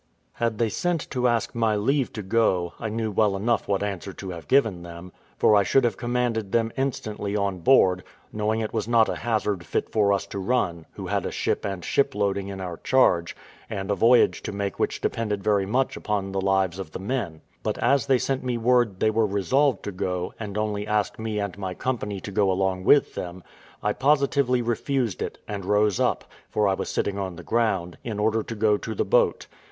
Had they sent to ask my leave to go, I knew well enough what answer to have given them; for I should have commanded them instantly on board, knowing it was not a hazard fit for us to run, who had a ship and ship loading in our charge, and a voyage to make which depended very much upon the lives of the men; but as they sent me word they were resolved to go, and only asked me and my company to go along with them, I positively refused it, and rose up, for I was sitting on the ground, in order to go to the boat.